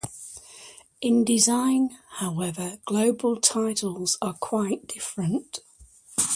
In design, however, global titles are quite different.